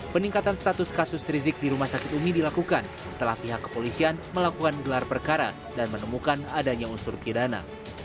peningkatan status kasus rizik di rumah sakit umi dilakukan setelah pihak kepolisian melakukan gelar perkara dan menemukan adanya unsur pidana